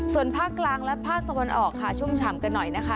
ส่วนภาคกลางและภาคตะวันออกค่ะชุ่มฉ่ำกันหน่อยนะคะ